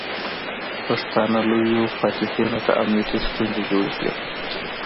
پښتانه لویو فاتحینو ته امنیتي ستونزې جوړې کړې.